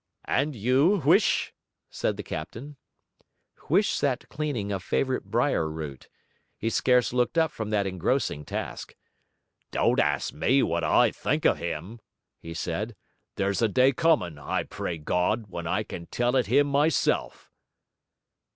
'And you, Huish?' said the captain. Huish sat cleaning a favourite briar root; he scarce looked up from that engrossing task. 'Don't ast me what I think of him!' he said. 'There's a day comin', I pray Gawd, when I can tell it him myself.'